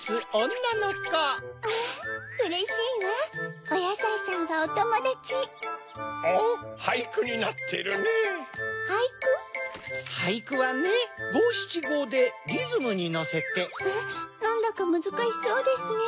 なんだかむずかしそうですね。